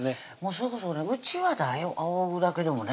それこそねうちわであおぐだけでもね